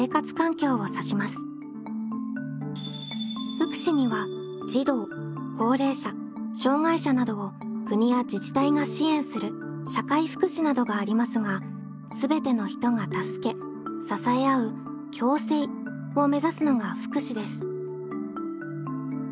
福祉には児童高齢者障害者などを国や自治体が支援する社会福祉などがありますがすべての人が助け支え合う「共生」を目指すのが福祉です。